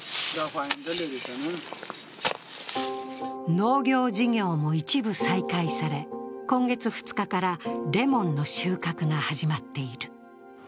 農業事業も一部再開され今月２日からレモンの収穫が始まっている。